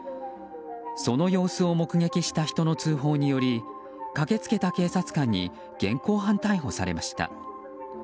その様子を目撃した人の通報により駆け付けた警察官に現行犯逮捕されました。